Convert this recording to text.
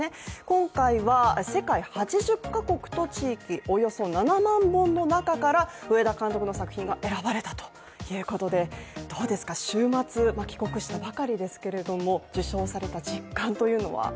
今回は世界８０カ国と地域およそ７万本の中から上田監督の作品が選ばれたということでどうですか、週末帰国したばかりですけれども、受賞された実感というのは？